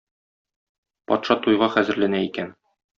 Патша туйга хәзерләнә икән.